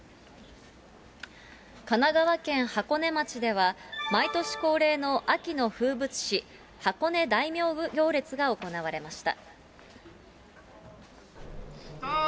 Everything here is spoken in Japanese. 神奈川県箱根町では、毎年恒例の秋の風物詩、箱根大名行列が行われました。